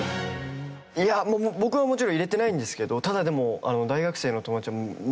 いや僕はもちろん入れてないんですけどただでもえーっ！